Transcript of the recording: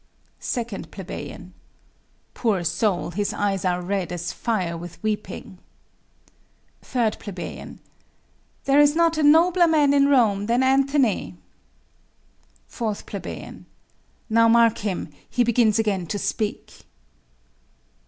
2 Ple. Poor soul, his eyes are red as fire with weeping. 3 Ple. There's not a nobler man in Rome than Antony. 4 Ple. Now mark him, he begins again to speak.